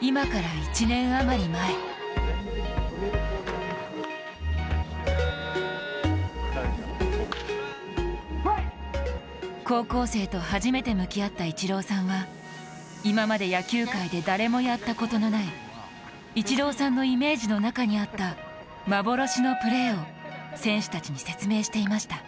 今から１年あまり前高校生と初めて向き合ったイチローさんは今まで野球界で誰もやったことのないイチローさんのイメージの中にあった幻のプレーを、選手たちに説明していました。